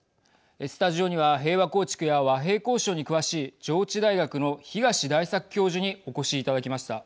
スタジオには平和構築や和平交渉に詳しい、上智大学の東大作教授にお越しいただきました。